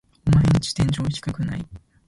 オマエんち天井低くない？